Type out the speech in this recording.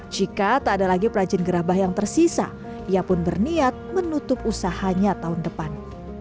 jika tak ada lagi perajin gerabah yang tersisa ia pun berniat menutup usahanya tahun depan